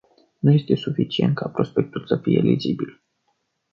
Nu este suficient ca prospectul să fie lizibil.